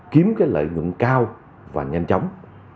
kiếm lợi ngưỡng cao và nhanh chóng